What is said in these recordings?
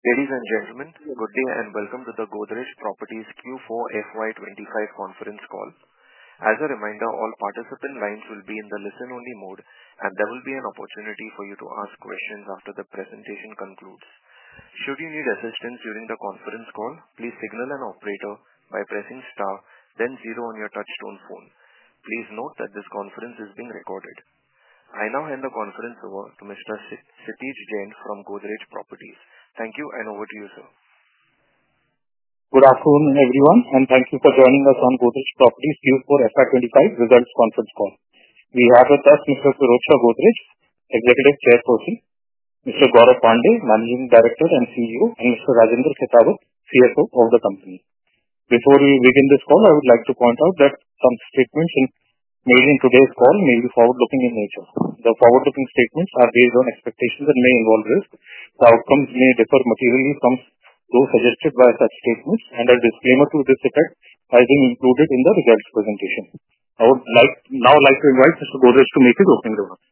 Ladies and gentlemen, good day and welcome to the fourth quarter FY25 conference Call. As a reminder, all participant lines will be in the listen-only mode, and there will be an opportunity for you to ask questions after the presentation concludes. Should you need assistance during the conference call, please signal an operator by pressing star, then zero on your touchtone phone. Please note that this conference is being recorded. I now hand the conference over to Mr. Kshitij Jain from Godrej Properties. Thank you, and over to you, sir. Good afternoon, everyone, and thank you for joining us on Godrej Properties Fourth Quarter FY25 results conference call. We have with us Mr. Pirojsha Godrej, Executive Chairperson, Mr. Gaurav Pandey, Managing Director and CEO, and Mr. Rajendra Khetawat, CFO of the company. Before we begin this call, I would like to point out that some statements made in today's call may be forward-looking in nature. The forward-looking statements are based on expectations and may involve risk. The outcomes may differ materially from those suggested by such statements, and a disclaimer to this effect has been included in the results presentation. I would now like to invite Mr. Godrej to make his opening remarks.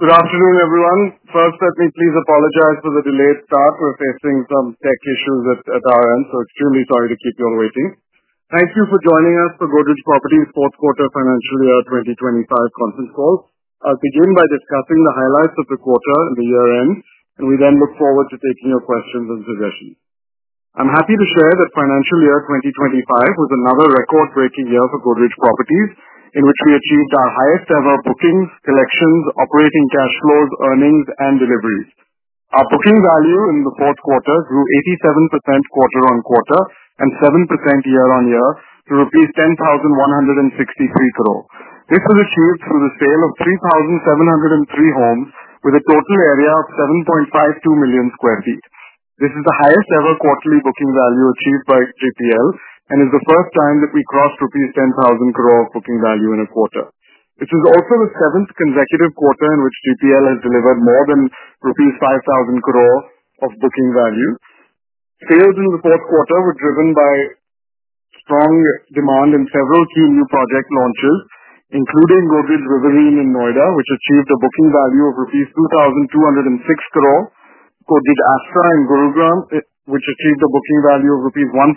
Good afternoon, everyone. First, let me please apologize for the delayed start. We're facing some tech issues at our end, so extremely sorry to keep you all waiting. Thank you for joining us for Godrej Properties' Fourth Quarter Financial Year 2025 Conference Call. I'll begin by discussing the highlights of the quarter and the year-end, and we then look forward to taking your questions and suggestions. I'm happy to share that Financial Year 2025 was another record-breaking year for Godrej Properties, in which we achieved our highest-ever bookings, collections, operating cash flows, earnings, and deliveries. Our booking value in the fourth quarter grew 87% quarter-on-quarter and 7% year-on-year to rupees 10,163 crore. This was achieved through the sale of 3,703 homes with a total area of 7.52 million sq ft. This is the highest-ever quarterly booking value achieved by GPL, and it's the first time that we crossed rupees 10,000 crore booking value in a quarter. This is also the seventh consecutive quarter in which GPL has delivered more than rupees 5,000 crore of booking value. Sales in the fourth quarter were driven by strong demand in several key new project launches, including Godrej Jardinia in Noida, which achieved a booking value of rupees 2,206 crore, Godrej Aristocrat in Gurugram, which achieved a booking value Godrej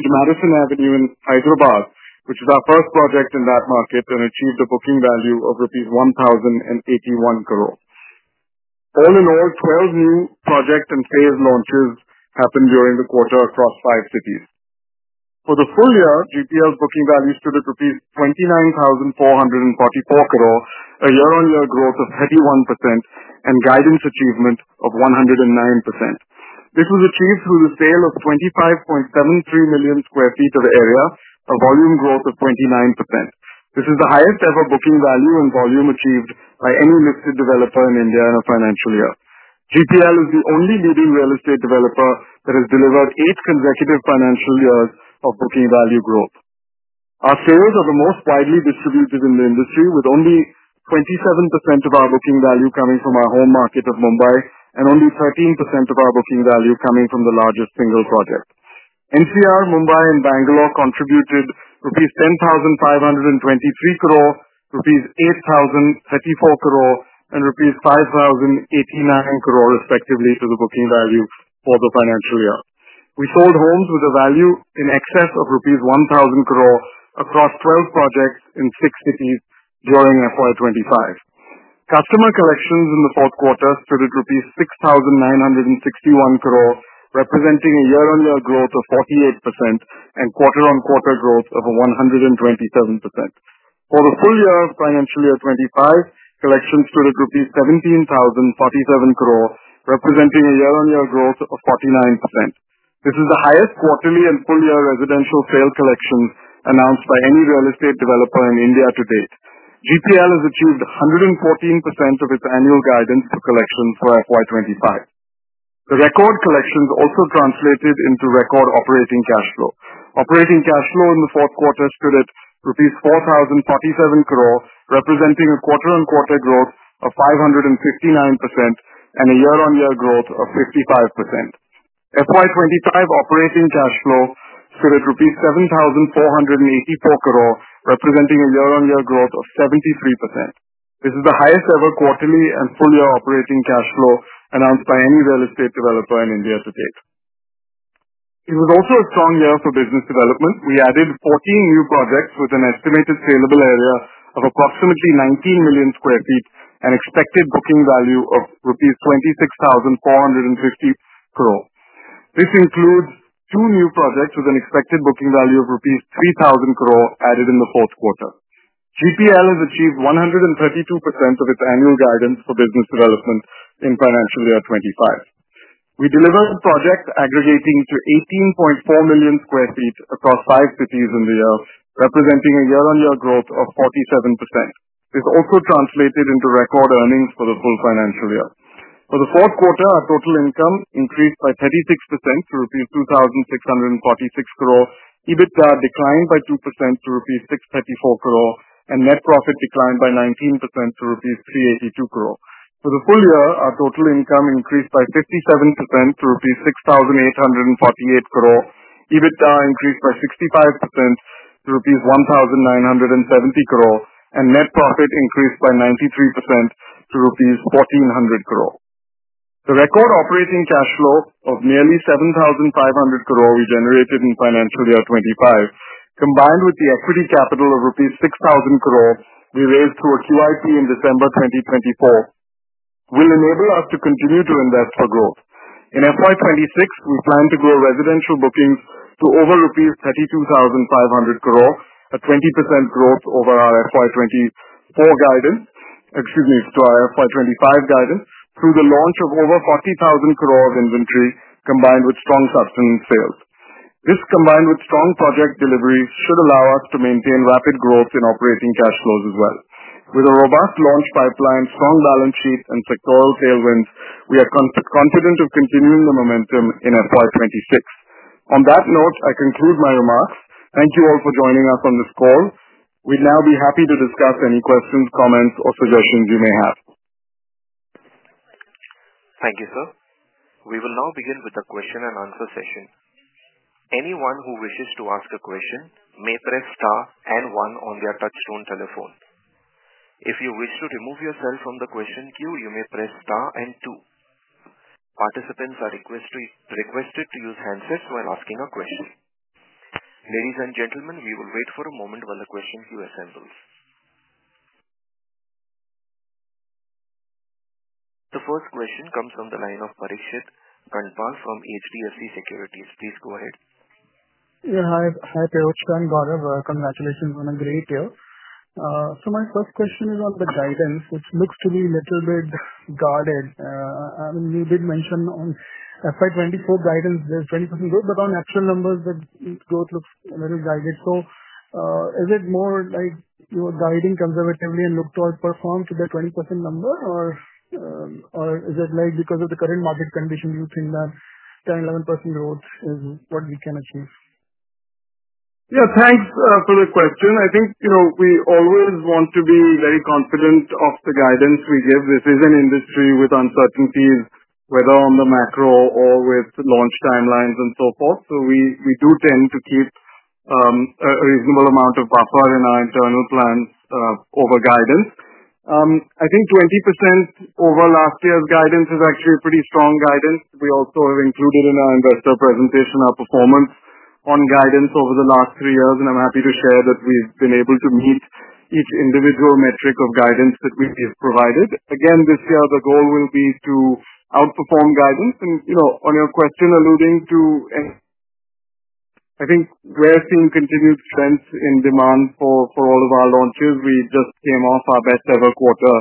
Zenith in Hyderabad, which is our first project in that market and achieved a booking value of INR 1,081 crore. All in all, 12 new project and phase launches happened during the quarter across five cities. For the full year, GPL booking value stood at rupees 29,444 crore, a year-on-year growth of 31%, and guidance achievement of 109%. This was achieved through the sale of 25.73 million sq ft of area, a volume growth of 29%. This is the highest-ever booking value and volume achieved by any listed developer in India in a financial year. GPL is the only leading real estate developer that has delivered eight consecutive financial years of booking value growth. Our sales are the most widely distributed in the industry, with only 27% of our booking value coming from our home market of Mumbai and only 13% of our booking value coming from the largest single project. NCR, Mumbai, and Bangalore contributed INR 10,523 crore, INR 8,034 crore, and INR 5,089 crore, respectively, to the booking value for the financial year. We sold homes with a value in excess of rupees 1,000 crore across 12 projects in six cities during FY2025. Customer collections in the fourth quarter stood at rupees 6,961 crore, representing a year-on-year growth of 48% and quarter-on-quarter growth of 127%. For the full year, financial year 2025, collections stood at rupees 17,047 crore, representing a year-on-year growth of 49%. This is the highest quarterly and full-year residential sale collections announced by any real estate developer in India to date. GPL has achieved 114% of its annual guidance for collections for FY2025. The record collections also translated into record operating cash flow. Operating cash flow in the fourth quarter stood at INR 4,047 crore, representing a quarter-on-quarter growth of 559% and a year-on-year growth of 55%. FY2025 operating cash flow stood at rupees 7,484 crore, representing a year-on-year growth of 73%. This is the highest-ever quarterly and full-year operating cash flow announced by any real estate developer in India to date. It was also a strong year for business development. We added 14 new projects with an estimated saleable area of approximately 19 million sq ft and expected booking value of INR 26,450 crore. This includes two new projects with an expected booking value of INR 3,000 crore added in the fourth quarter. GPL has achieved 132% of its annual guidance for business development in financial year 2025. We delivered projects aggregating to 18.4 million sq ft across five cities in the year, representing a year-on-year growth of 47%. This also translated into record earnings for the full financial year. For the fourth quarter, our total income increased by 36% to rupees 2,646 crore. EBITDA declined by 2% to rupees 634 crore, and net profit declined by 19% to rupees 382 crore. For the full year, our total income increased by 57% to rupees 6,848 crore. EBITDA increased by 65% to rupees 1,970 crore, and net profit increased by 93% to rupees 1,400 crore. The record operating cash flow of nearly 7,500 crore we generated in financial year 2025, combined with the equity capital of rupees 6,000 crore we raised through a QIP in December 2024, will enable us to continue to invest for growth. In FY26, we plan to grow residential bookings to over rupees 32,500 crore, a 20% growth over our FY24 guidance—excuse me, to our FY25 guidance—through the launch of over 40,000 crore of inventory, combined with strong sustenance sales. This, combined with strong project deliveries, should allow us to maintain rapid growth in operating cash flows as well. With a robust launch pipeline, strong balance sheet, and sectoral tailwinds, we are confident of continuing the momentum in FY26. On that note, I conclude my remarks. Thank you all for joining us on this call. We'd now be happy to discuss any questions, comments, or suggestions you may have. Thank you, sir. We will now begin with the question-and-answer session. Anyone who wishes to ask a question may press star and one on their touchtone telephone. If you wish to remove yourself from the question queue, you may press star and two. Participants are requested to use handsets while asking a question. Ladies and gentlemen, we will wait for a moment while the question queue assembles. The first question comes from the line of Parikshit Kandpal from HDFC Securities. Please go ahead. Yeah, hi. Hi, Parikshit Kandpal. Congratulations on a great year. My first question is on the guidance, which looks to be a little bit guarded. I mean, you did mention on FY 2024 guidance, there's 20% growth, but on actual numbers, the growth looks a little guided. Is it more like you were guiding conservatively and look to outperform to the 20% number, or is it because of the current market condition, you think that 10% to 11% growth is what we can achieve? Yeah, thanks for the question. I think we always want to be very confident of the guidance we give. This is an industry with uncertainties, whether on the macro or with launch timelines and so forth. We do tend to keep a reasonable amount of buffer in our internal plans over guidance. I think 20% over last year's guidance is actually a pretty strong guidance. We also have included in our investor presentation our performance on guidance over the last three years, and I'm happy to share that we've been able to meet each individrawal metric of guidance that we've provided. Again, this year, the goal will be to outperform guidance. On your question alluding to any—I think we're seeing continued strength in demand for all of our launches. We just came off our best-ever quarter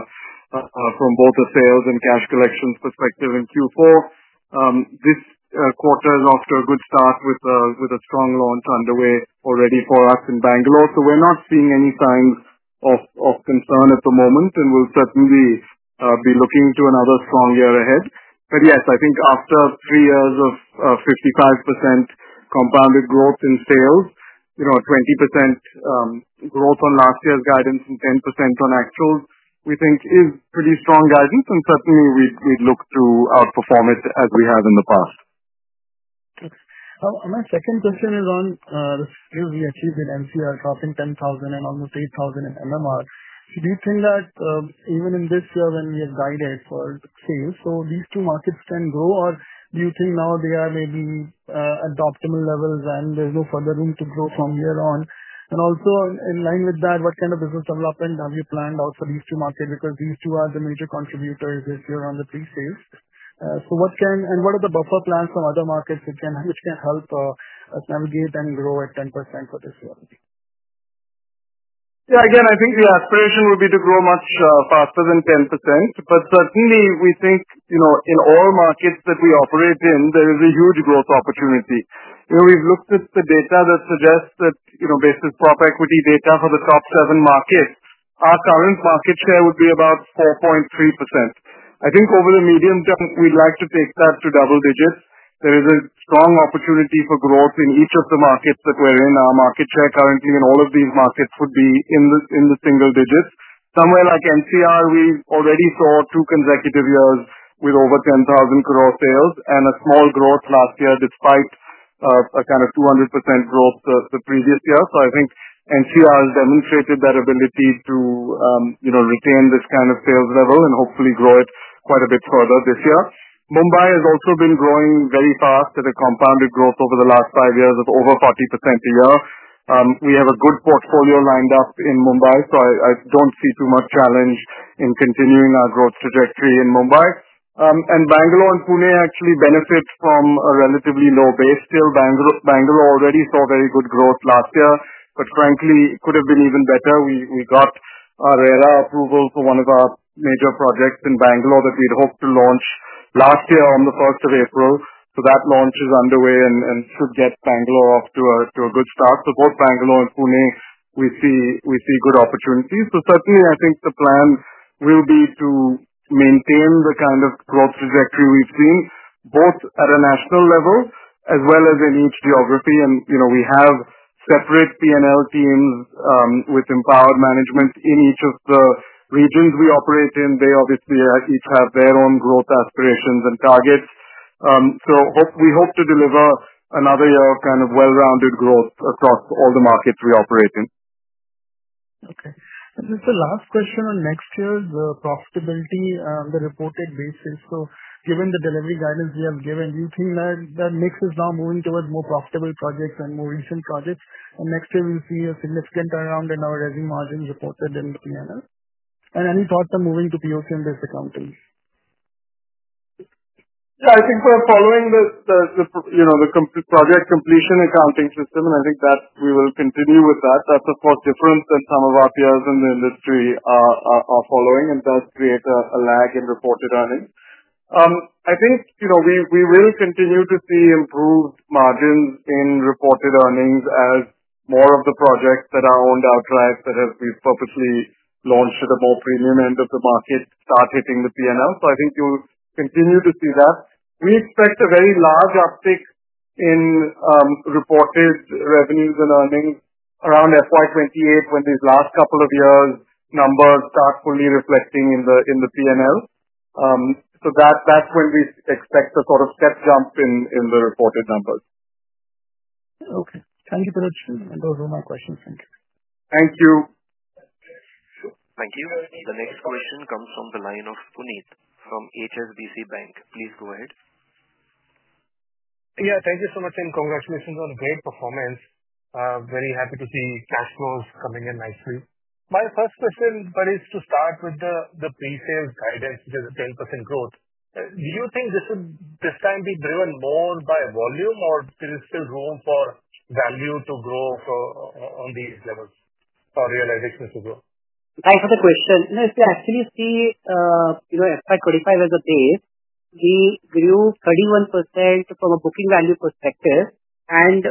from both the sales and cash collections perspective in fourth quarter. This quarter is off to a good start with a strong launch underway already for us in Bangalore. We are not seeing any signs of concern at the moment, and we will certainly be looking to another strong year ahead. Yes, I think after three years of 55% compounded growth in sales, 20% growth on last year's guidance, and 10% on actuals, we think is pretty strong guidance, and certainly, we would look to outperform it as we have in the past. Okay. My second question is on the sales we achieved in NCR, topping 10,000 and almost 8,000 in MMR. Do you think that even in this year, when we have guided for sales, these two markets can grow, or do you think now they are maybe at the optimal levels and there is no further room to grow from here on? Also, in line with that, what kind of business development have you planned out for these two markets? These two are the major contributors this year on the pre-sales. What can—and what are the buffer plans from other markets which can help us navigate and grow at 10% for this year? Yeah, again, I think the aspiration would be to grow much faster than 10%, but certainly, we think in all markets that we operate in, there is a huge growth opportunity. We've looked at the data that suggests that, based PropEquity data for the top seven markets, our current market share would be about 4.3%. I think over the medium term, we'd like to take that to double digits. There is a strong opportunity for growth in each of the markets that we're in. Our market share currently in all of these markets would be in the single digits. Somewhere like NCR, we already saw two consecutive years with over 10,000 crore sales and a small growth last year despite a kind of 200% growth the previous year. I think NCR has demonstrated that ability to retain this kind of sales level and hopefully grow it quite a bit further this year. Mumbai has also been growing very fast at a compounded growth over the last five years of over 40% a year. We have a good portfolio lined up in Mumbai, so I do not see too much challenge in continuing our growth trajectory in Mumbai. Bangalore and Pune actually benefit from a relatively low base still. Bangalore already saw very good growth last year, but frankly, it could have been even better. We got our RERA approval for one of our major projects in Bangalore that we had hoped to launch last year on the 1st of April. That launch is underway and should get Bangalore off to a good start. Both Bangalore and Pune, we see good opportunities. Certainly, I think the plan will be to maintain the kind of growth trajectory we've seen both at a national level as well as in each geography. We have separate P&L teams with empowered management in each of the regions we operate in. They obviously each have their own growth aspirations and targets. We hope to deliver another year of kind of well-rounded growth across all the markets we operate in. Okay. Just the last question on next year's profitability on the reported basis. Given the delivery guidance we have given, do you think that mix is now moving towards more profitable projects and more recent projects? Next year, we'll see a significant turnaround in our revenue margins reported in the P&L? Any thoughts on moving to POC and base accounting? Yeah, I think we're following the project completion accounting system, and I think that we will continue with that. That's a small difference than some of our peers in the industry are following, and does create a lag in reported earnings. I think we will continue to see improved margins in reported earnings as more of the projects that are owned outright, that as we've purposely launched at a more premium end of the market, start hitting the P&L. I think you'll continue to see that. We expect a very large uptick in reported revenues and earnings around FY2028 when these last couple of years' numbers start fully reflecting in the P&L. That's when we expect a sort of step jump in the reported numbers. Okay. Thank you, Pirojsha, and those were my questions. Thank you. Thank you. Thank you. The next question comes from the line of Puneet from HSBC Bank. Please go ahead. Yeah, thank you so much, and congratulations on great performance. Very happy to see cash flows coming in nicely. My first question, Pirojsha, is to start with the pre-sales guidance, which is a 10% growth. Do you think this time be driven more by volume, or is there still room for value to grow on these levels or realizations to grow? I have a question. No, see, actually, see, FY2025 as a base, we grew 31% from a booking value perspective, and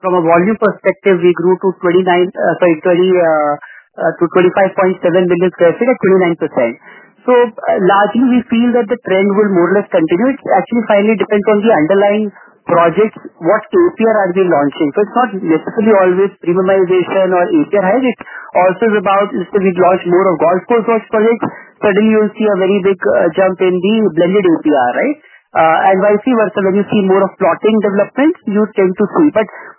from a volume perspective, we grew to 25.7 million sq ft at 29%. Largely, we feel that the trend will more or less continue. It actually finally depends on the underlying projects, what APR are they launching. It is not necessarily always premiumization or APR highs. It also is about, let's say, we would launch more of golf course projects. Suddenly, you will see a very big jump in the blended APR, right? Vice versa, when you see more of plotting developments, you tend to see.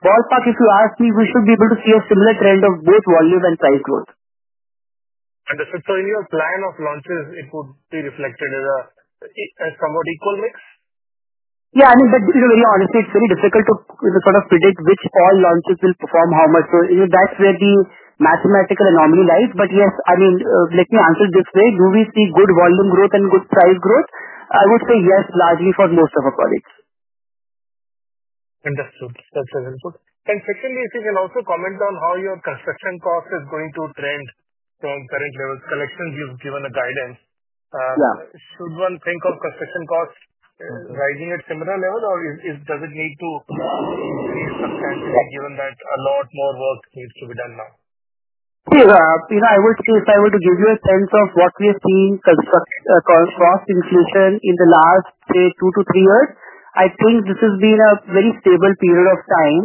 Ballpark, if you ask me, we should be able to see a similar trend of both volume and price growth. Understood. In your plan of launches, it would be reflected as a somewhat equal mix? Yeah, I mean, to be very honest, it's very difficult to sort of predict which all launches will perform how much. That is where the mathematical anomaly lies. Yes, let me answer it this way. Do we see good volume growth and good price growth? I would say yes, largely for most of our colleagues. Understood. That's very helpful. Secondly, if you can also comment on how your construction cost is going to trend from current levels. Collections you've given a guidance. Should one think of construction cost rising at similar level, or does it need to increase substantially given that a lot more work needs to be done now? I would say if I were to give you a sense of what we have seen, cost inflation in the last, say, two to three years, I think this has been a very stable period of time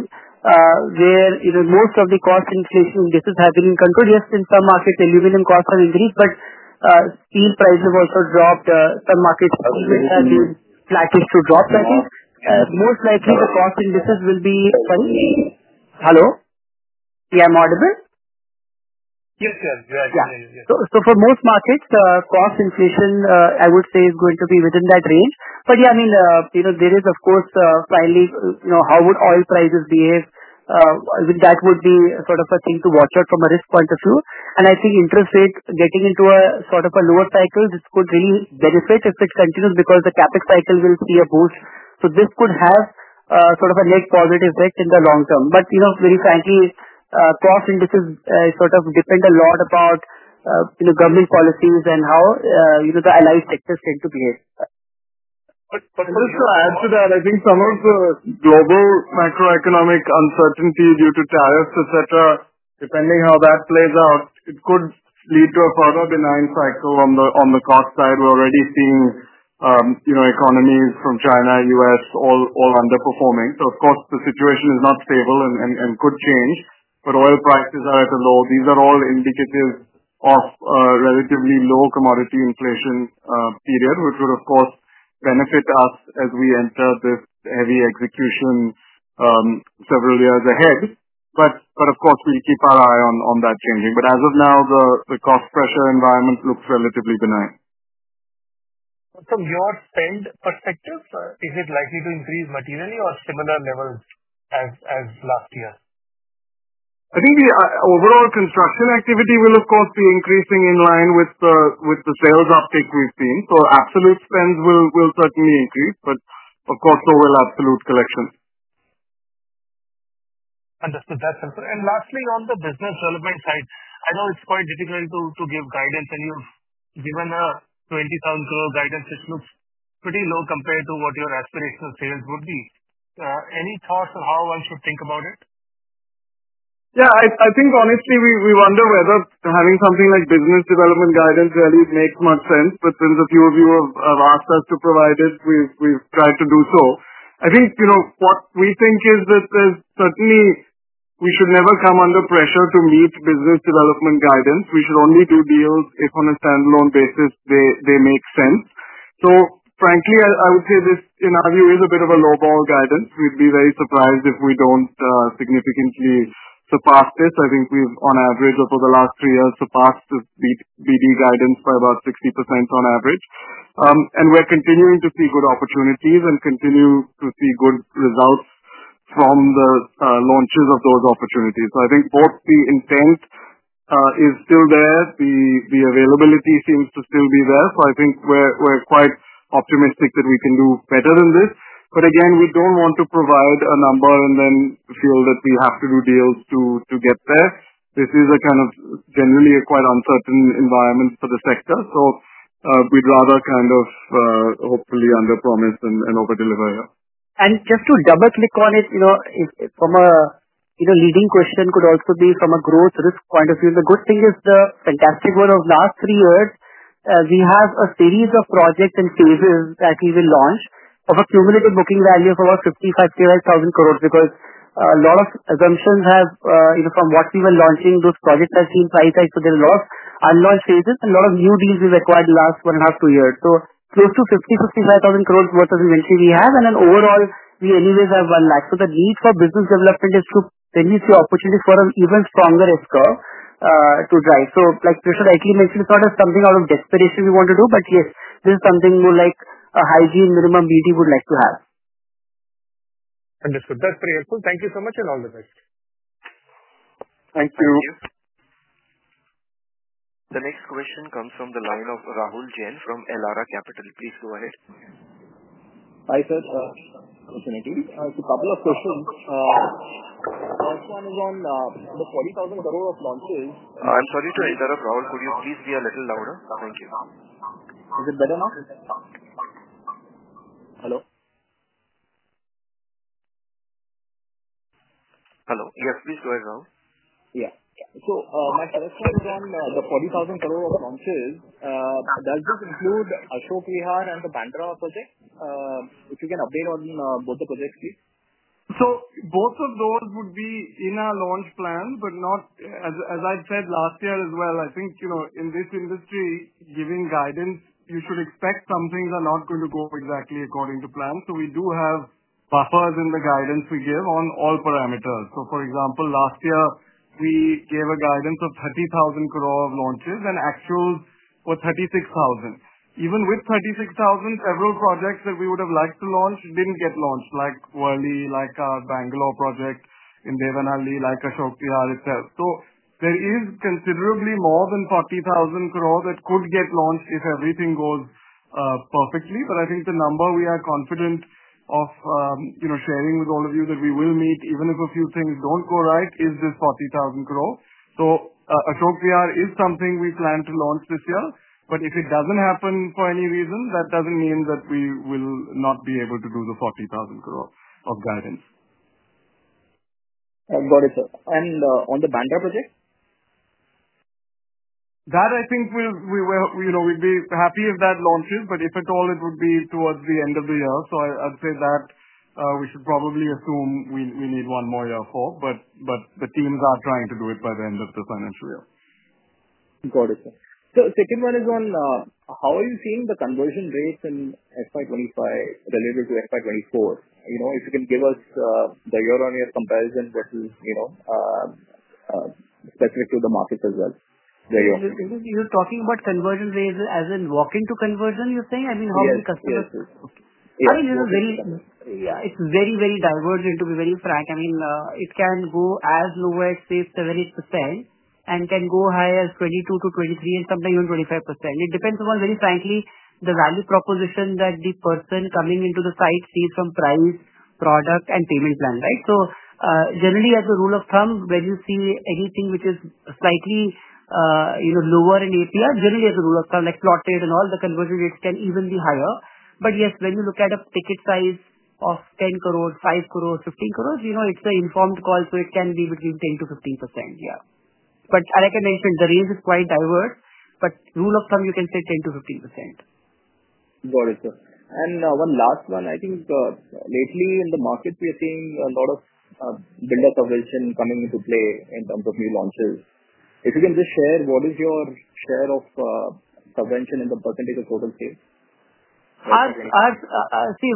where most of the cost inflation indices have been controlled. Yes, in some markets, aluminum costs have increased, but steel prices have also dropped. Some markets have been flattish to drop, I think. Most likely, the cost indices will be—sorry? Hello? Yeah, I'm audible? Yes, sir. You're excellent. Yeah. For most markets, cost inflation, I would say, is going to be within that range. Yeah, I mean, there is, of course, finally, how would oil prices behave? That would be sort of a thing to watch out from a risk point of view. I think interest rates getting into a sort of a lower cycle, this could really benefit if it continues because the CapEx cycle will see a boost. This could have sort of a net positive effect in the long term. Very frankly, cost indices sort of depend a lot about government policies and how the allied sectors tend to behave. Parikshit Kandpal, to add to that, I think some of the global macroeconomic uncertainty due to tariffs, etc., depending how that plays out, it could lead to a further benign cycle on the cost side. We're already seeing economies from China, U.S., all underperforming. Of course, the situation is not stable and could change, but oil prices are at a low. These are all indicatives of a relatively low commodity inflation period, which would, of course, benefit us as we enter this heavy execution several years ahead. Of course, we'll keep our eye on that changing. As of now, the cost pressure environment looks relatively benign. From your spend perspective, is it likely to increase materially or similar levels as last year? I think the overall construction activity will, of course, be increasing in line with the sales uptick we've seen. Absolute spends will certainly increase, but of course, so will absolute collections. Understood. That's helpful. Lastly, on the business development side, I know it's quite difficult to give guidance, and you've given a 20,000 crore guidance, which looks pretty low compared to what your aspirational sales would be. Any thoughts on how one should think about it? Yeah, I think, honestly, we wonder whether having something like business development guidance really makes much sense. But since a few of you have asked us to provide it, we've tried to do so. I think what we think is that certainly, we should never come under pressure to meet business development guidance. We should only do deals if, on a standalone basis, they make sense. So, frankly, I would say this, in our view, is a bit of a low-ball guidance. We'd be very surprised if we don't significantly surpass this. I think we've, on average, over the last three years, surpassed BD guidance by about 60% on average. And we're continuing to see good opportunities and continue to see good results from the launches of those opportunities. I think both the intent is still there. The availability seems to still be there. I think we're quite optimistic that we can do better than this. Again, we don't want to provide a number and then feel that we have to do deals to get there. This is kind of generally a quite uncertain environment for the sector. We'd rather kind of hopefully underpromise and overdeliver. Just to double-click on it, from a leading question, it could also be from a growth risk point of view. The good thing is the fantastic one of the last three years. We have a series of projects and phases that we will launch of accumulated booking value of about 55,000 crore because a lot of assumptions have, from what we were launching, those projects have seen price hikes. There are a lot of unlaunched phases and a lot of new deals we've acquired in the last one and a half, two years. Close to 50,000-55,000 crore worth of inventory we have, and then overall, we anyways have one lakh. The need for business development is to then see opportunities for an even stronger risk curve to drive. Like Pirojsha rightly mentioned, it's not something out of desperation we want to do, but yes, this is something more like a hygiene minimum BD would like to have. Understood. That's very helpful. Thank you so much and all the best. Thank you. Thank you. The next question comes from the line of Rahul Jain from Elara Capital. Please go ahead. Hi, sir. Opportunity. It's a couple of questions. Also, on the INR 40,000 crore of launches. I'm sorry to interrupt, Rahul. Could you please be a little louder? Thank you. Is it better now? Hello? Hello. Yes, please go ahead, Rahul. Yeah. My first question is on the 40,000 crore of launches. Does this include Ashok Vihar and the Bandra project? If you can update on both the projects, please. Both of those would be in our launch plan, but not, as I said, last year as well. I think in this industry, giving guidance, you should expect some things are not going to go exactly according to plan. We do have buffers in the guidance we give on all parameters. For example, last year, we gave a guidance of 30,000 crore of launches, and actuals were 36,000 crore. Even with 36,000 crore, several projects that we would have liked to launch did not get launched, like Worli, like our Bangalore project in Devanahalli, like Ashok Vihar itself. There is considerably more than 40,000 crore that could get launched if everything goes perfectly. I think the number we are confident of sharing with all of you that we will meet, even if a few things do not go right, is this 40,000 crore. Ashok Vihar is something we plan to launch this year. If it does not happen for any reason, that does not mean that we will not be able to do the 40,000 crore of guidance. Got it, sir. On the Bandra project? That, I think, we'd be happy if that launches, but if at all, it would be towards the end of the year. I'd say that we should probably assume we need one more year for, but the teams are trying to do it by the end of the financial year. Got it, sir. The second one is on how are you seeing the conversion rates in FY25 related to FY24? If you can give us the year-on-year comparison versus specific to the markets as well. You're talking about conversion rates as in walk-in to conversion, you're saying? I mean, how many customers? Yes, yes, yes. I mean, it's very, very divergent, to be very frank. I mean, it can go as low as, say, 7% and can go high as 22-23% and sometimes even 25%. It depends upon, very frankly, the value proposition that the person coming into the site sees from price, product, and payment plan, right? Generally, as a rule of thumb, when you see anything which is slightly lower in APR, generally, as a rule of thumb, like plotted and all, the conversion rates can even be higher. Yes, when you look at a ticket size of 10 crore, 5 crore, 15 crore, it's an informed call, so it can be between 10-15%, yeah. Like I mentioned, the range is quite diverse, but rule of thumb, you can say 10-15%. Got it, sir. One last one. I think lately, in the market, we are seeing a lot of builder subvention coming into play in terms of new launches. If you can just share, what is your share of subvention in the percentage of total sales? See,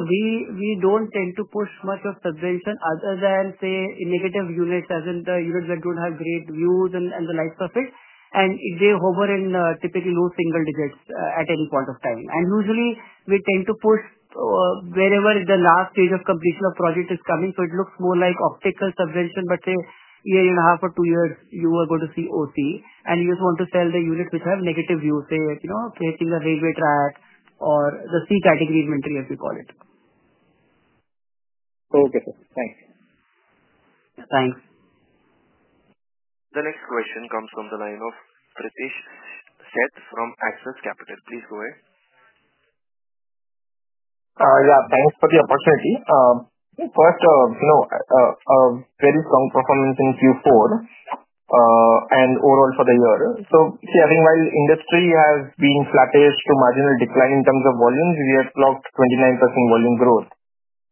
we don't tend to push much of subvention other than, say, negative units, as in the units that don't have great views and the likes of it. They hover in typically low single digits at any point of time. Usually, we tend to push wherever the last stage of completion of project is coming. It looks more like optical subvention, but, say, a year and a half or two years, you are going to see OC, and you just want to sell the units which have negative views, say, facing a railway track or the C category inventory, as we call it. Okay, sir. Thanks. Thanks. The next question comes from the line of Pritesh Sheth from Axis Capital. Please go ahead. Yeah, thanks for the opportunity. First, a very strong performance in fourth quarter and overall for the year. See, I think while industry has been flattish to marginal decline in terms of volumes, we have clocked 29% volume growth.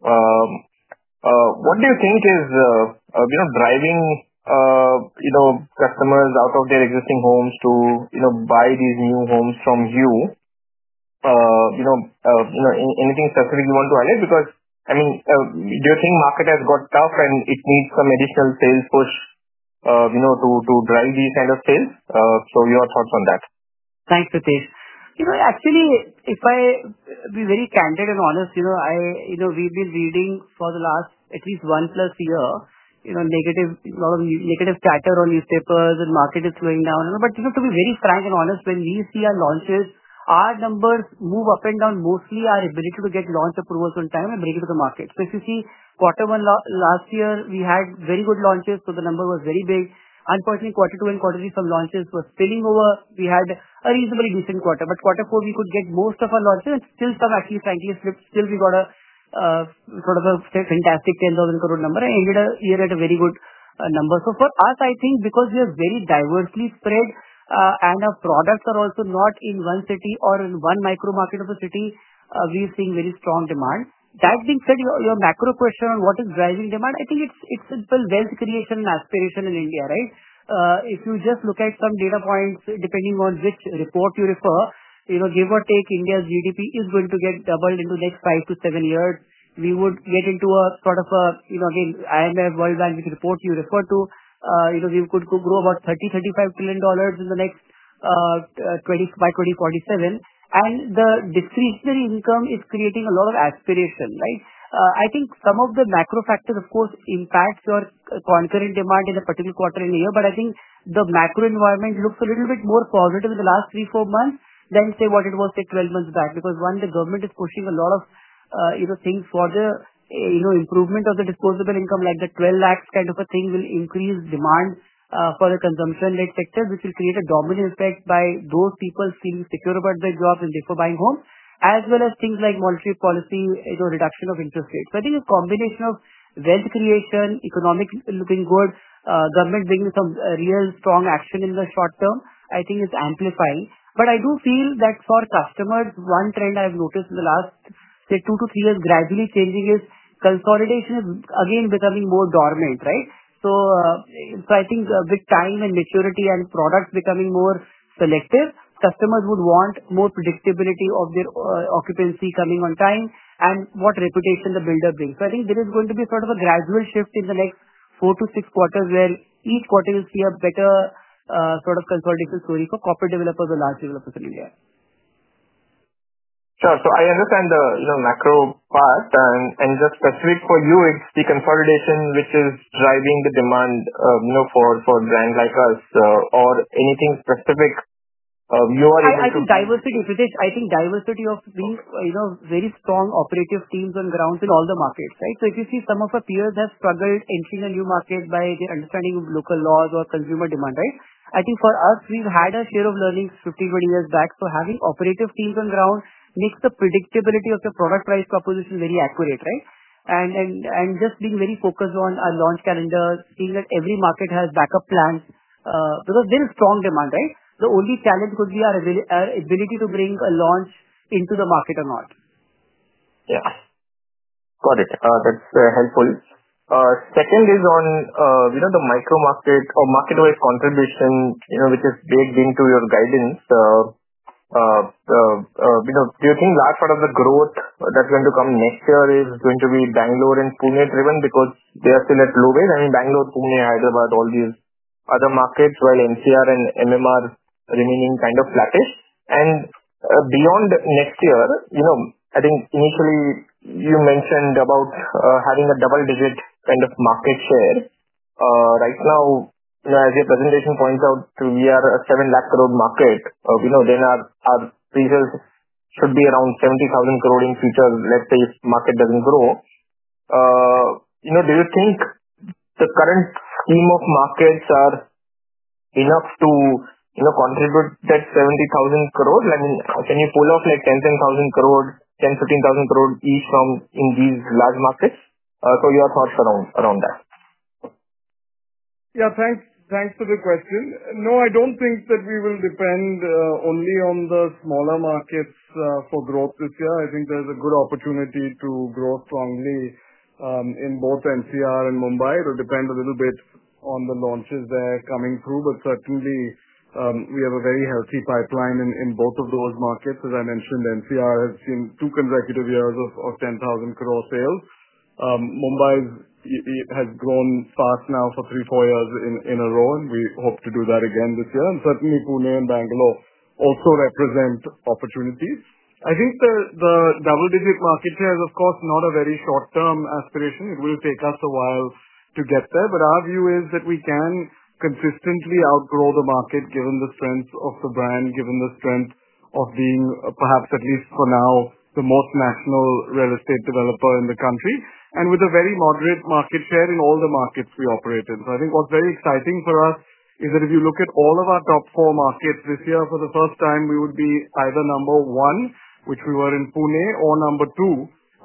What do you think is driving customers out of their existing homes to buy these new homes from you? Anything specific you want to highlight? I mean, do you think market has got tough and it needs some additional sales push to drive these kind of sales? Your thoughts on that. Thanks, Prateesh. Actually, if I be very candid and honest, we've been reading for the last at least one plus year a lot of negative chatter on newspapers, and market is slowing down. To be very frank and honest, when we see our launches, our numbers move up and down mostly our ability to get launch approvals on time and bring it to the market. If you see quarter one last year, we had very good launches, so the number was very big. Unfortunately, quarter two and quarter three some launches were spilling over. We had a reasonably decent quarter. Quarter four, we could get most of our launches, and still some, actually, frankly, slipped. Still, we got a sort of a fantastic 10,000 crore number and ended the year at a very good number. For us, I think, because we are very diversely spread and our products are also not in one city or in one micro market of a city, we are seeing very strong demand. That being said, your macro question on what is driving demand, I think it's simple wealth creation and aspiration in India, right? If you just look at some data points, depending on which report you refer, give or take, India's GDP is going to get doubled in the next five to seven years. We would get into a sort of a, again, IMF, World Bank, which reports you refer to, we could grow about $30 trillion-$35 trillion in the next 25, 2047. And the discretionary income is creating a lot of aspiration, right? I think some of the macro factors, of course, impact your concurrent demand in a particular quarter in a year, but I think the macro environment looks a little bit more positive in the last three, four months than, say, what it was, say, 12 months back. Because one, the government is pushing a lot of things for the improvement of the disposable income, like the 1,200,000 kind of a thing will increase demand for the consumption-led sector, which will create a dominant effect by those people feeling secure about their jobs and therefore buying homes, as well as things like monetary policy, reduction of interest rates. I think a combination of wealth creation, economic looking good, government bringing some real strong action in the short term, I think it's amplifying. I do feel that for customers, one trend I've noticed in the last, say, two to three years gradrawally changing is consolidation is again becoming more dormant, right? I think with time and maturity and products becoming more selective, customers would want more predictability of their occupancy coming on time and what reputation the builder brings. I think there is going to be sort of a gradrawal shift in the next four to six quarters where each quarter you'll see a better sort of consolidation story for corporate developers or large developers in India. Sure. I understand the macro part. Just specific for you, is it the consolidation which is driving the demand for a brand like us or anything specific you are able to? I think diversity, Pritesh. I think diversity of being very strong operative teams on ground in all the markets, right? If you see some of our peers have struggled entering a new market by their understanding of local laws or consumer demand, right? I think for us, we've had a share of learnings 15-20 years back. Having operative teams on ground makes the predictability of your product price proposition very accurate, right? Just being very focused on our launch calendar, seeing that every market has backup plans because there is strong demand, right? The only challenge could be our ability to bring a launch into the market or not. Yeah. Got it. That's helpful. Second is on the micro market or market-wise contribution, which is big into your guidance. Do you think large part of the growth that's going to come next year is going to be Bangalore and Pune driven because they are still at low base? I mean, Bangalore, Pune, Hyderabad, all these other markets, while NCR and MMR remaining kind of flattish. Beyond next year, I think initially you mentioned about having a double-digit kind of market share. Right now, as your presentation points out, we are a 7 trillion market. Then our results should be around 700 billion in future, let's say, if market doesn't grow. Do you think the current scheme of markets are enough to contribute that 700 billion? I mean, can you pull off like 100 billion, 100 billion-150 billion each from in these large markets? Your thoughts around that. Yeah, thanks for the question. No, I don't think that we will depend only on the smaller markets for growth this year. I think there's a good opportunity to grow strongly in both NCR and Mumbai. It will depend a little bit on the launches that are coming through, but certainly, we have a very healthy pipeline in both of those markets. As I mentioned, NCR has seen two consecutive years of 10,000 crore sales. Mumbai has grown fast now for three, four years in a row, and we hope to do that again this year. Certainly, Pune and Bangalore also represent opportunities. I think the double-digit market share is, of course, not a very short-term aspiration. It will take us a while to get there. Our view is that we can consistently outgrow the market given the strength of the brand, given the strength of being perhaps at least for now the most national real estate developer in the country, and with a very moderate market share in all the markets we operate in. I think what's very exciting for us is that if you look at all of our top four markets this year, for the first time, we would be either number one, which we were in Pune, or number two,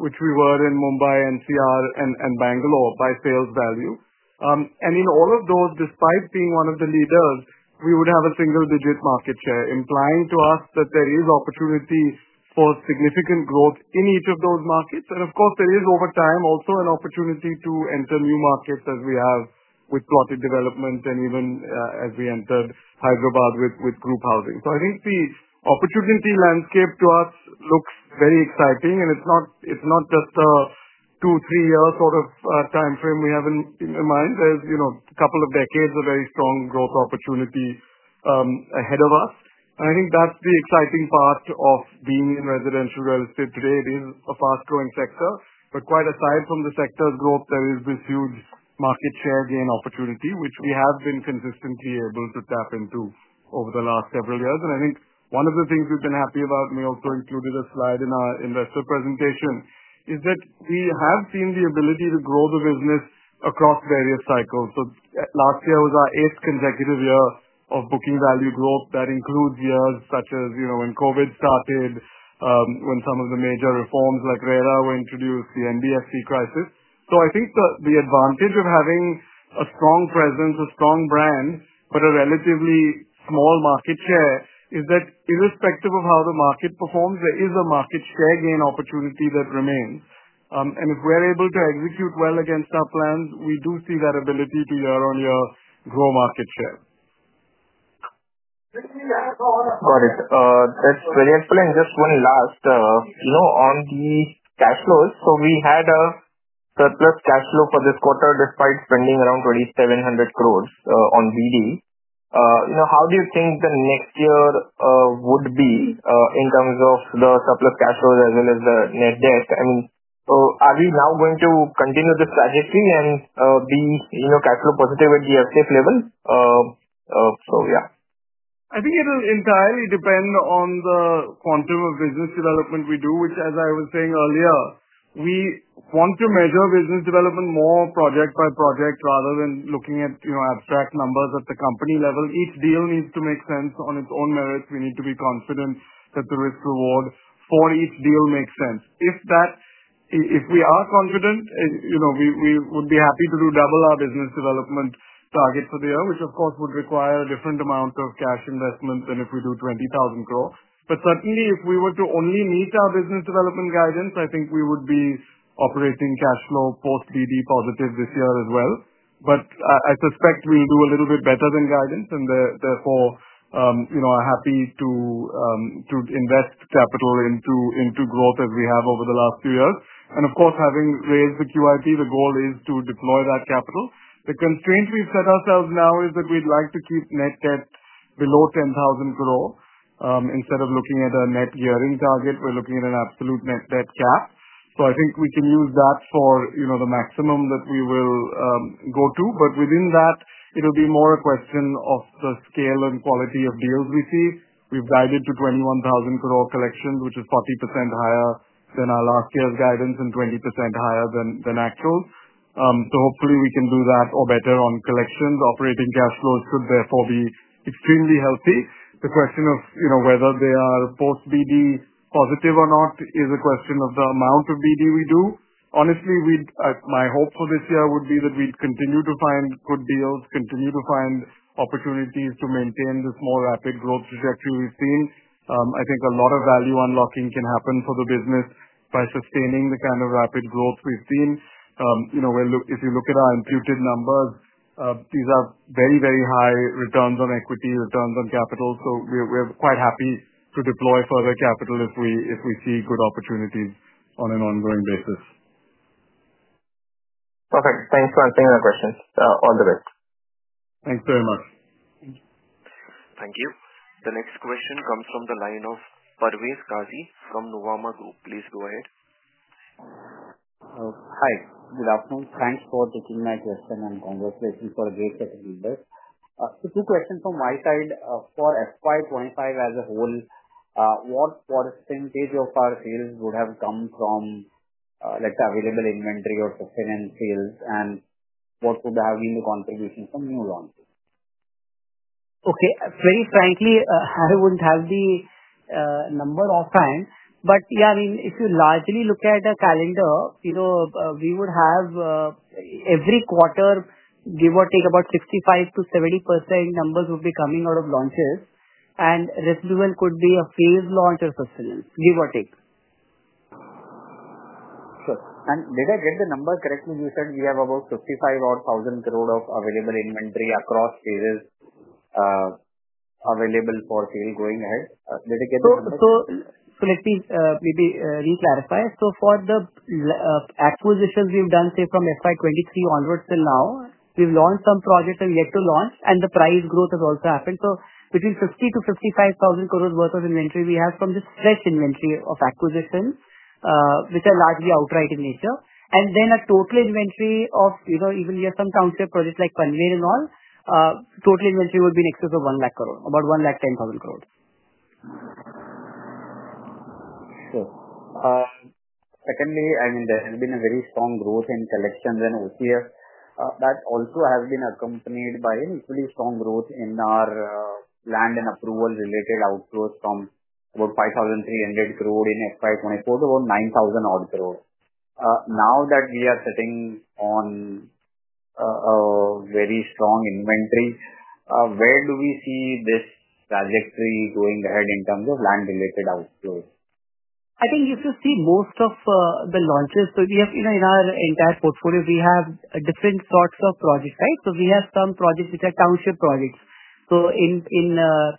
which we were in Mumbai, NCR, and Bangalore by sales value. In all of those, despite being one of the leaders, we would have a single-digit market share, implying to us that there is opportunity for significant growth in each of those markets. Of course, there is over time also an opportunity to enter new markets as we have with plotted development and even as we entered Hyderabad with group housing. I think the opportunity landscape to us looks very exciting, and it's not just a two- to three-year sort of time frame we have in mind. There are a couple of decades of very strong growth opportunity ahead of us. I think that's the exciting part of being in residential real estate today. It is a fast-growing sector, but quite aside from the sector's growth, there is this huge market share gain opportunity, which we have been consistently able to tap into over the last several years. I think one of the things we've been happy about, and we also included a slide in our investor presentation, is that we have seen the ability to grow the business across various cycles. Last year was our eighth consecutive year of booking value growth. That includes years such as when COVID started, when some of the major reforms like RERA were introduced, the NBFC crisis. I think the advantage of having a strong presence, a strong brand, but a relatively small market share is that irrespective of how the market performs, there is a market share gain opportunity that remains. If we're able to execute well against our plans, we do see that ability to year-on-year grow market share. Got it. That's very helpful. Just one last on the cash flows. We had a surplus cash flow for this quarter despite spending around 2,700 crore on BD. How do you think the next year would be in terms of the surplus cash flows as well as the net debt? I mean, are we now going to continue this trajectory and be cash flow positive at the FCF level? Yeah. I think it'll entirely depend on the quantum of business development we do, which, as I was saying earlier, we want to measure business development more project by project rather than looking at abstract numbers at the company level. Each deal needs to make sense on its own merits. We need to be confident that the risk-reward for each deal makes sense. If we are confident, we would be happy to do double our business development target for the year, which, of course, would require a different amount of cash investment than if we do 20,000 crore. Certainly, if we were to only meet our business development guidance, I think we would be operating cash flow post-BD positive this year as well. I suspect we'll do a little bit better than guidance, and therefore, are happy to invest capital into growth as we have over the last few years. Of course, having raised the QIP, the goal is to deploy that capital. The constraint we've set ourselves now is that we'd like to keep net debt below 10,000 crore. Instead of looking at a net gearing target, we're looking at an absolute net debt cap. I think we can use that for the maximum that we will go to. Within that, it'll be more a question of the scale and quality of deals we see. We've guided to 21,000 crore collections, which is 40% higher than our last year's guidance and 20% higher than actual. Hopefully, we can do that or better on collections. Operating cash flows should therefore be extremely healthy. The question of whether they are post-BD positive or not is a question of the amount of BD we do. Honestly, my hope for this year would be that we'd continue to find good deals, continue to find opportunities to maintain this more rapid growth trajectory we've seen. I think a lot of value unlocking can happen for the business by sustaining the kind of rapid growth we've seen. If you look at our imputed numbers, these are very, very high returns on equity, returns on capital. We are quite happy to deploy further capital if we see good opportunities on an ongoing basis. Perfect. Thanks for answering our questions. All the best. Thanks very much. Thank you. The next question comes from the line Parvez Qazi from Nuvama Group. Please go ahead. Hi. Good afternoon. Thanks for taking my question and congratulations for a great set of numbers. Two questions from my side. For FY2025 as a whole, what percentage of our sales would have come from, let's say, available inventory or sustenance sales, and what would have been the contribution from new launches? Okay. Very frankly, I wouldn't have the number offhand. But yeah, I mean, if you largely look at a calendar, we would have every quarter, give or take about 65%-70% numbers would be coming out of launches. And rest of the world could be a phased launch or sustenance, give or take. Sure. Did I get the number correctly? You said we have about 55,000 crore of available inventory across phases available for sale going ahead. Did I get the number correctly? Let me maybe re-clarify. For the acquisitions we've done, say, from FY2023 onwards till now, we've launched some projects, there are some that are yet to launch, and the price growth has also happened. Between 50,000 crore-55,000 crore worth of inventory we have from just fresh inventory of acquisitions, which are largely outright in nature. Then a total inventory of, even we have some township projects like Panvel and all, total inventory would be in excess of 100,000 crore, about 110,000 crore. Sure. Secondly, I mean, there has been a very strong growth in collections and OCF. That also has been accompanied by an equally strong growth in our land and approval-related outflows from about 5,300 crore in FY2024 to about 9,000 crore. Now that we are sitting on a very strong inventory, where do we see this trajectory going ahead in terms of land-related outflows? I think if you see most of the launches, in our entire portfolio, we have different sorts of projects, right? We have some projects which are township projects. In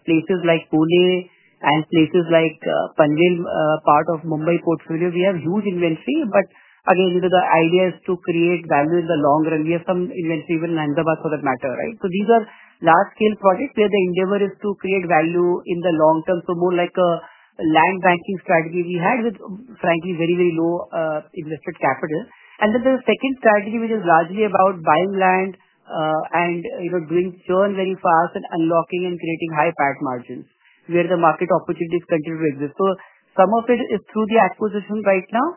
places like Pune and places like Panvel, part of the Mumbai portfolio, we have huge inventory. The idea is to create value in the long run. We have some inventory even in Ahmedabad for that matter, right? These are large-scale projects where the endeavor is to create value in the long term, more like a land banking strategy we had with, frankly, very, very low invested capital. There is a second strategy which is largely about buying land and doing churn very fast and unlocking and creating high PAT margins where the market opportunities continue to exist. Some of it is through the acquisition right now.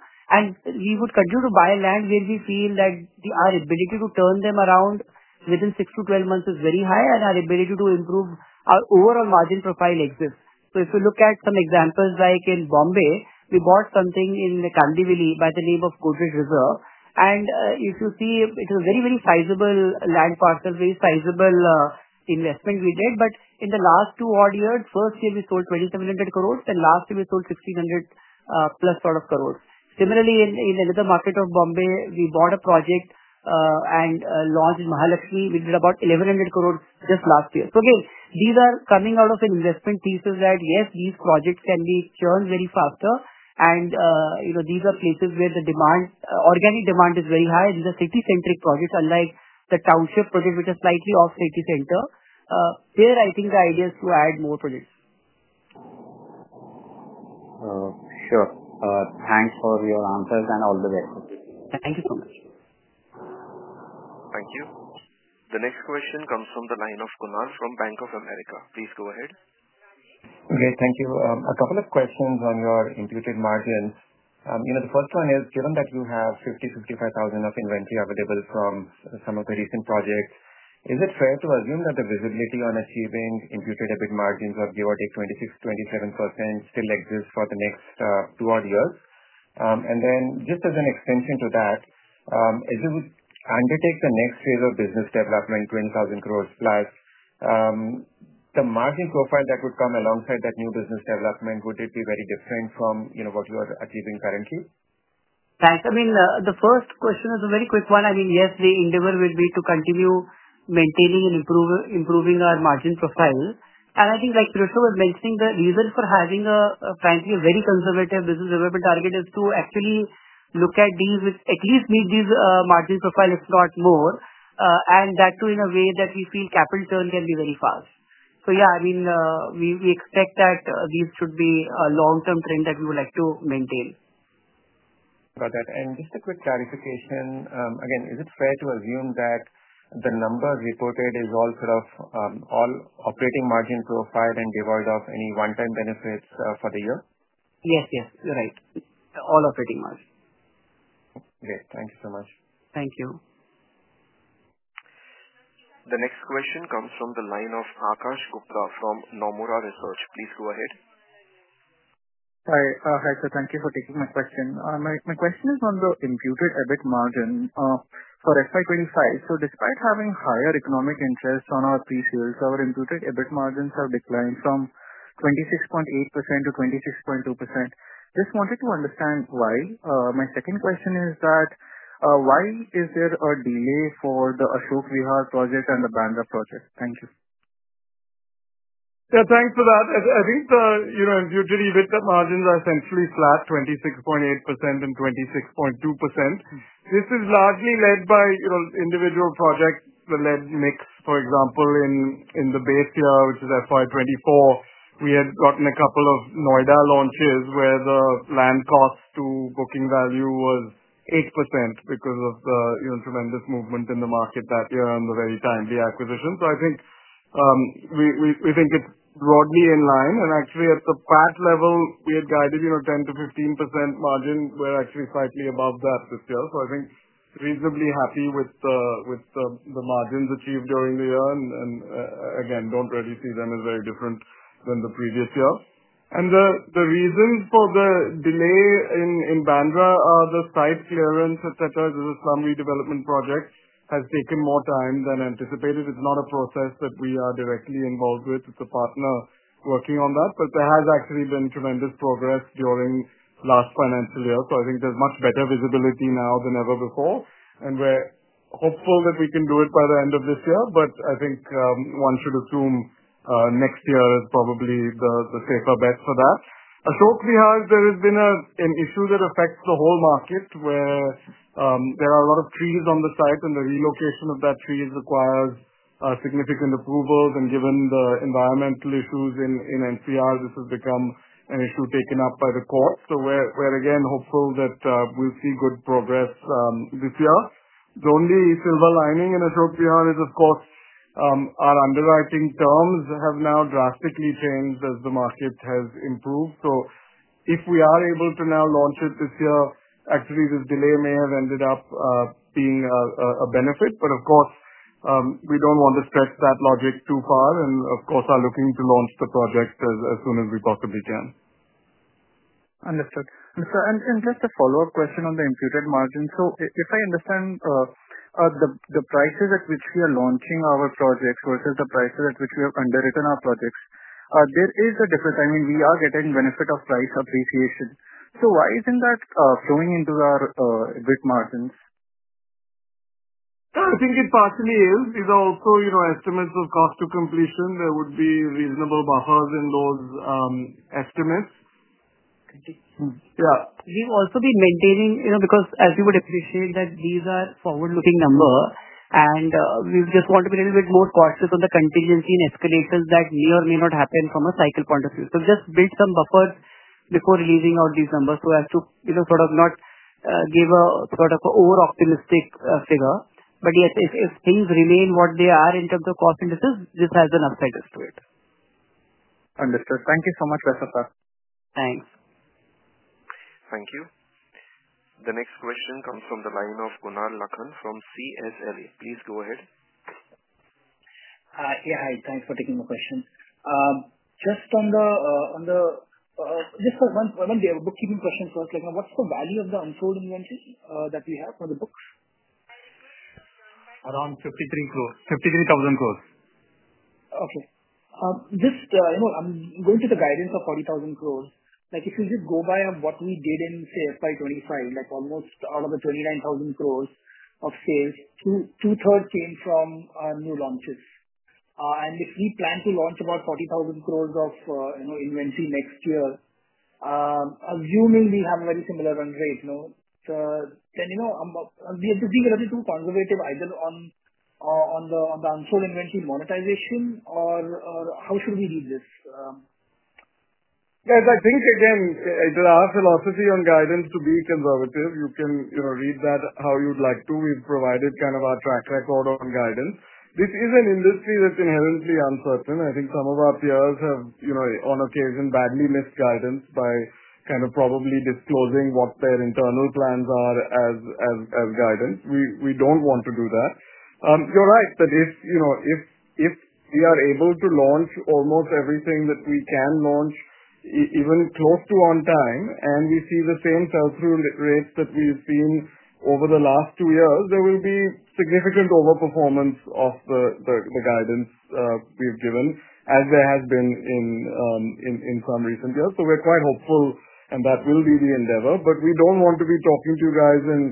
We would continue to buy land where we feel that our ability to turn them around within 6 to 12 months is very high, and our ability to improve our overall margin profile exists. If you look at some examples, like in Mumbai, we bought something in Kandivali by the name of Godrej Reserve. If you see, it was a very, very sizable land parcel, very sizable investment we did. In the last two odd years, first year we sold 2,700 crore, then last year we sold 1,600 plus crore. Similarly, in another market of Mumbai, we bought a project and launched in Mahalaxmi. We did about 1,100 crore just last year. These are coming out of an investment thesis that, yes, these projects can be churned very faster, and these are places where the organic demand is very high. These are city-centric projects, unlike the township project which is slightly off city center. There, I think the idea is to add more projects. Sure. Thanks for your answers and all the best. Thank you so much. Thank you. The next question comes from the line of Kunal from Bank of America. Please go ahead. Okay. Thank you. A couple of questions on your imputed margins. The first one is, given that you have 50,000-55,000 of inventory available from some of the recent projects, is it fair to assume that the visibility on achieving imputed EBIT margins of give or take 26%-27% still exists for the next two odd years? Just as an extension to that, as you undertake the next phase of business development, 20,000 crore plus, the margin profile that would come alongside that new business development, would it be very different from what you are achieving currently? Thanks. I mean, the first question is a very quick one. I mean, yes, the endeavor will be to continue maintaining and improving our margin profile. I think, like Pirojsha was mentioning, the reason for having, frankly, a very conservative business development target is to actually look at these with at least meet these margin profiles, if not more, and that too in a way that we feel capital churn can be very fast. Yeah, I mean, we expect that this should be a long-term trend that we would like to maintain. Got it. Just a quick clarification. Again, is it fair to assume that the number reported is all sort of all operating margin profile and devoid of any one-time benefits for the year? Yes, yes. You're right. All operating margin. Great. Thank you so much. Thank you. The next question comes from the line of Aakash Gupta from Nomura Research. Please go ahead. Hi. Hi, sir. Thank you for taking my question. My question is on the imputed EBIT margin for FY2025. Despite having higher economic interest on our P&Ls, our imputed EBIT margins have declined from 26.8% to 26.2%. Just wanted to understand why. My second question is that why is there a delay for the Ashok Vihar project and the Bandra project? Thank you. Yeah. Thanks for that. I think you did. EBITDA margins are essentially flat, 26.8% and 26.2%. This is largely led by individrawal project-led mix. For example, in the base year, which is FY2024, we had gotten a couple of Noida launches where the land cost to booking value was 8% because of the tremendous movement in the market that year on the very timely acquisition. I think we think it's broadly in line. Actually, at the PAT level, we had guided 10-15% margin. We're actually slightly above that this year. I think reasonably happy with the margins achieved during the year. Again, don't really see them as very different than the previous year. The reasons for the delay in Bandra are the site clearance, etc., as a slum redevelopment project has taken more time than anticipated. It's not a process that we are directly involved with. It's a partner working on that. There has actually been tremendous progress during last financial year. I think there's much better visibility now than ever before. We're hopeful that we can do it by the end of this year. I think one should assume next year is probably the safer bet for that. Ashok Vihar, there has been an issue that affects the whole market where there are a lot of trees on the site, and the relocation of that tree requires significant approvals. Given the environmental issues in NCR, this has become an issue taken up by the court. We're again hopeful that we'll see good progress this year. The only silver lining in Ashok Vihar is, of course, our underwriting terms have now drastically changed as the market has improved. If we are able to now launch it this year, actually, this delay may have ended up being a benefit. Of course, we do not want to stretch that logic too far. Of course, we are looking to launch the project as soon as we possibly can. Understood. Sir, just a follow-up question on the imputed margin. If I understand, the prices at which we are launching our projects versus the prices at which we have underwritten our projects, there is a difference. I mean, we are getting benefit of price appreciation. Why isn't that flowing into our EBIT margins? I think it partially is. It's also estimates of cost to completion. There would be reasonable buffers in those estimates. Yeah. We've also been maintaining because, as you would appreciate, these are forward-looking numbers. We just want to be a little bit more cautious on the contingency and escalations that may or may not happen from a cycle point of view. Just build some buffers before releasing out these numbers so as to sort of not give a sort of over-optimistic figure. Yes, if things remain what they are in terms of cost indices, this has an upside to it. Understood. Thank you so much, Pirojsha sir. Thanks. Thank you. The next question comes from the line of Kunal Lakhan from CLSA. Please go ahead. Yeah. Hi. Thanks for taking my question. Just on the just one bookkeeping question first. What's the value of the unsold inventory that we have for the books? Around 53 crore. 53,000 crore. Okay. Just I'm going to the guidance of 40,000 crore. If you just go by what we did in, say, FY2025, almost out of the 29,000 crore of sales, two-thirds came from new launches. And if we plan to launch about 40,000 crore of inventory next year, assuming we have a very similar run rate, then we have to be relatively conservative either on the unsold inventory monetization or how should we read this? Yes. I think, again, it's our philosophy on guidance to be conservative. You can read that how you'd like to. We've provided kind of our track record on guidance. This is an industry that's inherently uncertain. I think some of our peers have, on occasion, badly missed guidance by kind of probably disclosing what their internal plans are as guidance. We don't want to do that. You're right that if we are able to launch almost everything that we can launch even close to on time, and we see the same sell-through rates that we've seen over the last two years, there will be significant overperformance of the guidance we've given, as there has been in some recent years. We are quite hopeful, and that will be the endeavor. We do not want to be talking to you guys in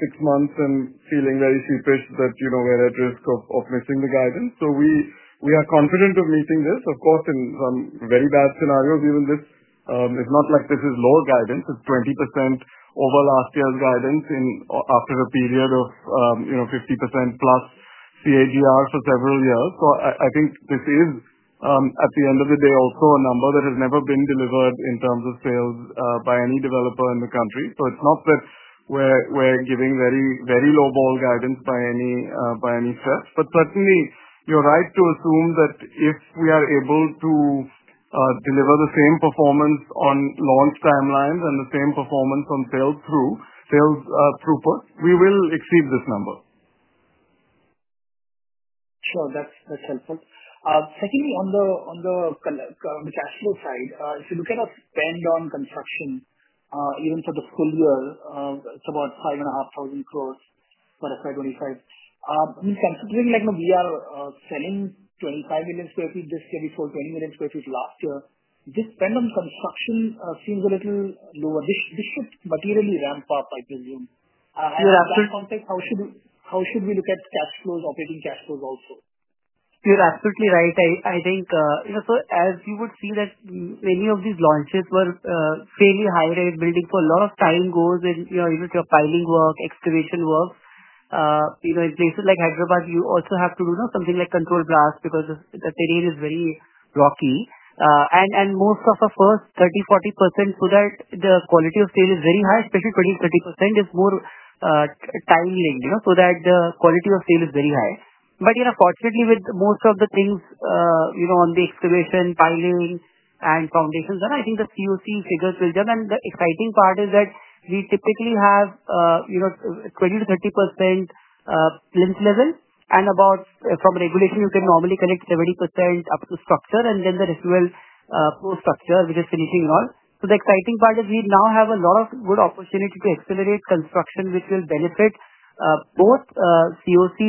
six months and feeling very sheepish that we are at risk of missing the guidance. We are confident of meeting this. Of course, in some very bad scenarios, even this is not like this is low guidance. It is 20% over last year's guidance after a period of 50% plus CAGR for several years. I think this is, at the end of the day, also a number that has never been delivered in terms of sales by any developer in the country. It is not that we are giving very low-ball guidance by any stretch. Certainly, you are right to assume that if we are able to deliver the same performance on launch timelines and the same performance on sales throughput, we will exceed this number. Sure. That's helpful. Secondly, on the cash flow side, if you look at our spend on construction, even for the full year, it's about 5,500 crore for FY2025. I mean, considering we are selling 25 million sq ft this year versus 20 million sq ft last year, this spend on construction seems a little lower. This should materially ramp up, I presume. You're absolutely. In that context, how should we look at cash flows, operating cash flows also? You're absolutely right. I think, as you would see, many of these launches were fairly high-rise buildings, so a lot of time goes into the piling work, excavation work. In places like Hyderabad, you also have to do something like controlled blasting because the terrain is very rocky. Most of our first 30-40% is so that the quality of steel is very high, especially 20-30% is more time-laden so that the quality of steel is very high. Fortunately, with most of the things on the excavation, piling, and foundations, I think the POC figures will jump. The exciting part is that we typically have 20-30% plinth level. From regulation, you can normally collect 70% up to structure, and then there is drawal post-structure, which is finishing and all. The exciting part is we now have a lot of good opportunity to accelerate construction, which will benefit both POC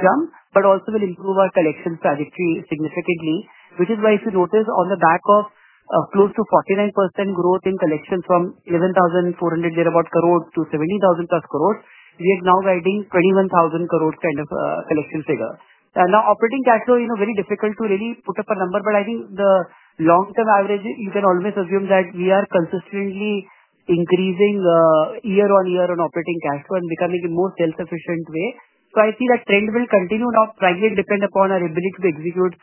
jump, but also will improve our collection trajectory significantly, which is why if you notice on the back of close to 49% growth in collections from 11,400 crore thereabout to 17,000 plus crore, we are now guiding 21,000 crore kind of collection figure. Now, operating cash flow, very difficult to really put up a number, but I think the long-term average, you can always assume that we are consistently increasing year on year on operating cash flow and becoming a more self-sufficient way. I see that trend will continue and will depend upon our ability to execute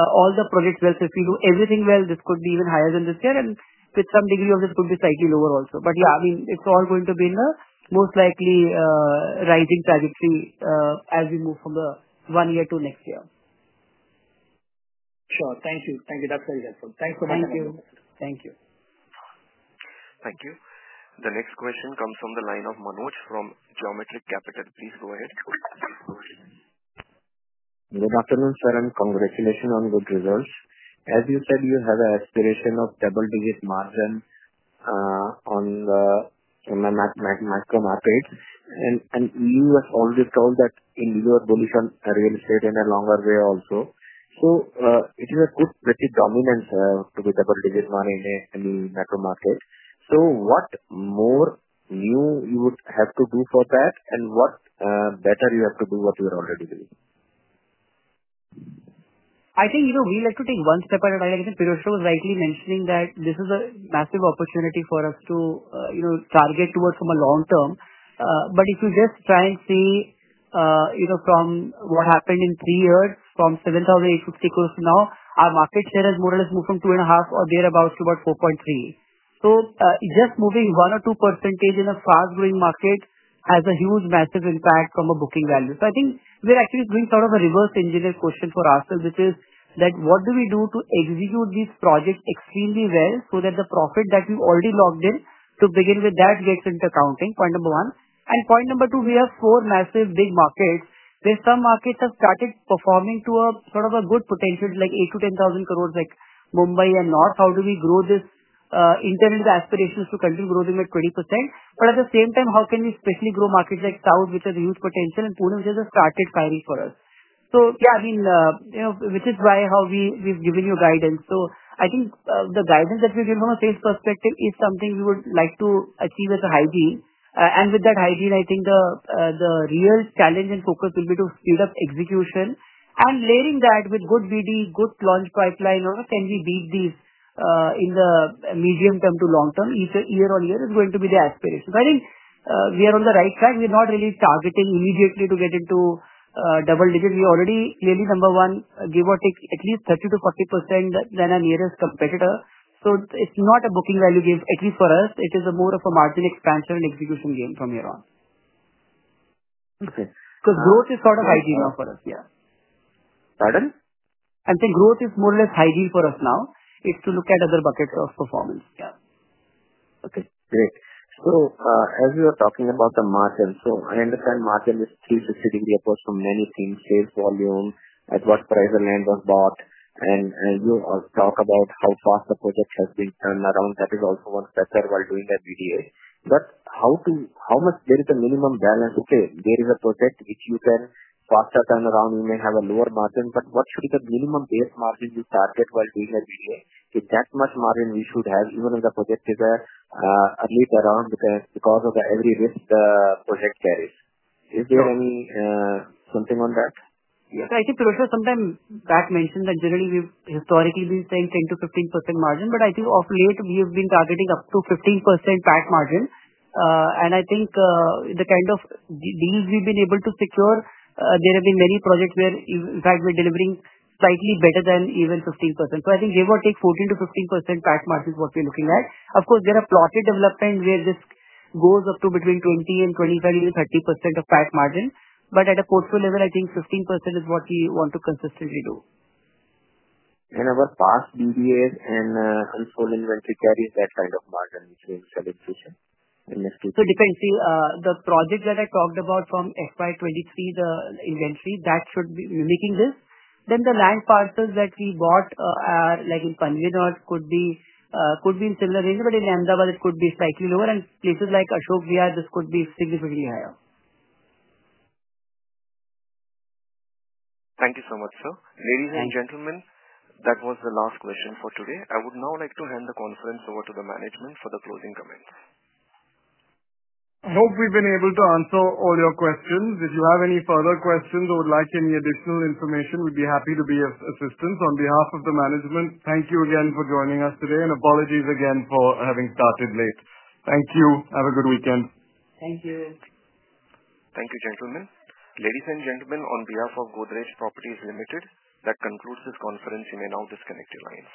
all the projects well. If we do everything well, this could be even higher than this year. With some degree of this, it could be slightly lower also. Yeah, I mean, it's all going to be in the most likely rising trajectory as we move from the one year to next year. Sure. Thank you. Thank you. That's very helpful. Thanks so much. Thank you. Thank you. Thank you. The next question comes from the line of Manoj from Girik Capital. Please go ahead. Good afternoon, sir, and congratulations on good results. As you said, you have an aspiration of double-digit margin on the macro market. You have always told that you are bullish on real estate in a longer way also. It is a good, pretty dominance to be double-digit one in any macro market. What more new you would have to do for that, and what better you have to do what you are already doing? I think we like to take one step ahead. I think Pirojsha was rightly mentioning that this is a massive opportunity for us to target towards from a long term. If you just try and see from what happened in three years, from 7,850 crore to now, our market share has more or less moved from 2.5% or thereabouts to about 4.3%. Just moving one or two percentage in a fast-growing market has a huge, massive impact from a booking value. I think we're actually doing sort of a reverse engineer question for ourselves, which is that what do we do to execute these projects extremely well so that the profit that we've already logged in to begin with, that gets into accounting, point number one. Point number two, we have four massive big markets where some markets have started performing to sort of a good potential, like 8,000-10,000 crore, like Mumbai and North. How do we grow this internal aspiration to continue growing by 20%? At the same time, how can we especially grow markets like South, which has a huge potential, and Pune, which has just started firing for us? Yeah, I mean, which is why how we've given you guidance. I think the guidance that we've given from a sales perspective is something we would like to achieve as a hygiene. With that hygiene, I think the real challenge and focus will be to speed up execution. Layering that with good BD, good launch pipeline, how can we beat these in the medium term to long term, year on year, is going to be the aspiration. I think we are on the right track. We're not really targeting immediately to get into double-digit. We already clearly, number one, give or take at least 30%-40% than our nearest competitor. So it's not a booking value game, at least for us. It is more of a margin expansion and execution game from here on. Okay. Because growth is sort of hygiene now for us, yeah. Pardon? I'm saying growth is more or less hygiene for us now. It's to look at other buckets of performance. Yeah. Okay. Great. As you are talking about the margin, I understand margin is a 360 degree approach from many things: sales volume, at what price the land was bought. You talk about how fast the project has been turned around. That is also one factor while doing a JDA. How much, is there a minimum balance? Okay, there is a project. If you can faster turn around, you may have a lower margin. What should be the minimum base margin you target while doing a JDA? Is that much margin we should have even if the project is late around because of every risk the project carries? Is there something on that? Yeah. I think Pirojsha sometime back mentioned that generally we've historically been saying 10-15% margin. I think of late, we have been targeting up to 15% PAT margin. I think the kind of deals we've been able to secure, there have been many projects where, in fact, we're delivering slightly better than even 15%. I think give or take 14-15% PAT margin is what we're looking at. Of course, there are plotted developments where this goes up to between 20-25%, even 30% of PAT margin. At a portfolio level, I think 15% is what we want to consistently do. In our past JDAs and unsold inventory carries that kind of margin, which is self-sufficient in this case? It depends. See, the project that I talked about from FY 2023, the inventory, that should be making this. Then the land parcels that we bought in Panvel, it could be in similar range. In Ahmedabad, it could be slightly lower. In places like Ashok Vihar, this could be significantly higher. Thank you so much, sir. Ladies and gentlemen, that was the last question for today. I would now like to hand the conference over to the management for the closing comments. I hope we've been able to answer all your questions. If you have any further questions or would like any additional information, we'd be happy to be of assistance. On behalf of the management, thank you again for joining us today, and apologies again for having started late. Thank you. Have a good weekend. Thank you. Thank you, gentlemen. Ladies and gentlemen, on behalf of Godrej Properties, that concludes this conference. You may now disconnect your lines.